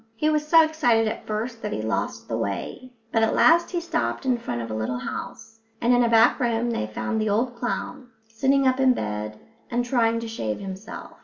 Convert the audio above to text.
He was so excited at first that he lost the way, but at last he stopped in front of a little house; and in a back room they found the old clown, sitting up in bed and trying to shave himself.